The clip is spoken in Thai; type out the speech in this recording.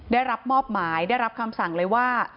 ได้รับมอบหมายได้รับคำสั่งเลยว่า